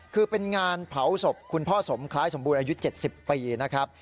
คือเป็นงานเผาศพคุณพ่อสมคล้ายสมบูรณ์อายุ๗๐ปีนะครับ